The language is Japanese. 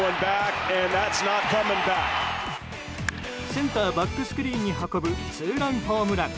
センターバックスクリーンに運ぶツーランホームラン。